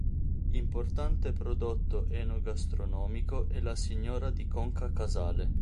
Importante prodotto enogastronomico è la Signora di Conca Casale.